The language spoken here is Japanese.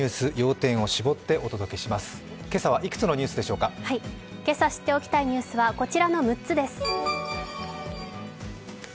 今朝知っておきたいニュースはこちらの６つです。